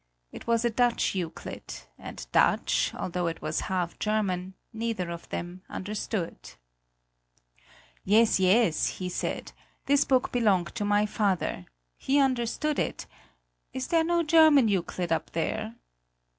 It was a Dutch Euclid, and Dutch, although it was half German, neither of them understood. "Yes, yes," he said, "this book belonged to my father; he understood it; is there no German Euclid up there?"